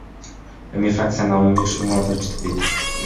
Эми фракцияны Алмамбет Шыкмаматов жетектейт.